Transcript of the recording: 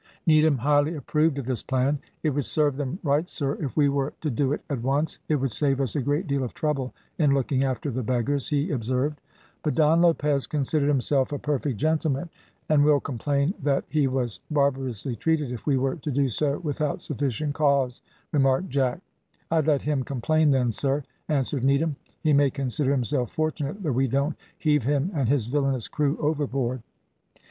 Needham highly approved of this plan. "It would serve them right, sir, if we were to do it at once, it would save us a great deal of trouble in looking after the beggars," he observed. "But Don Lopez considers himself a perfect gentleman, and will complain that he was barbarously treated if we were to do so without sufficient cause," remarked Jack. "I'd let him complain then, sir," answered Needham. "He may consider himself fortunate that we don't heave him and his villainous crew overboard."